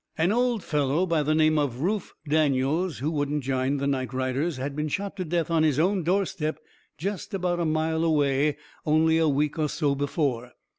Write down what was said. An old feller by the name of Rufe Daniels who wouldn't jine the night riders had been shot to death on his own door step, jest about a mile away, only a week or so before.